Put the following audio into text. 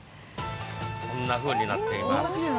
こんな感じになっています。